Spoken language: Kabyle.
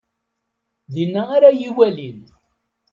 Dinna ara yi-walin.